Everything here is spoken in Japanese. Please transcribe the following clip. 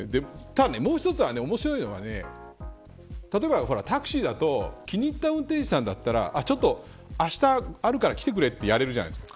ただ、もう一つ面白いのは例えば、タクシーだと気に入った運転手さんだったらあした、あるから来てくれってやれるじゃないですか。